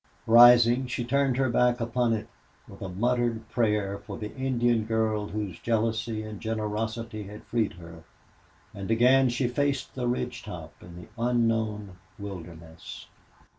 Rising, she turned her back upon it, with a muttered prayer for the Indian girl whose jealousy and generosity had freed her, and again she faced the ridge top and the unknown wilderness.